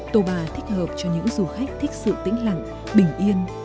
toba thích hợp cho những du khách thích sự tĩnh lặng bình yên